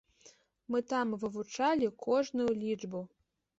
Мы там вывучалі кожную лічбу.